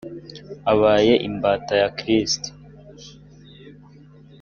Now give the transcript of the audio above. abaye imbata ya kristo